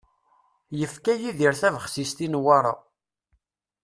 Yefka Yidir tabexsist i Newwara.